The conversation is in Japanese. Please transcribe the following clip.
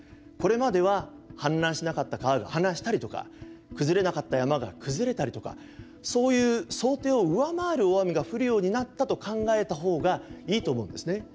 これまでは氾濫しなかった川が氾濫したりとか崩れなかった山が崩れたりとかそういう想定を上回る大雨が降るようになったと考えた方がいいと思うんですね。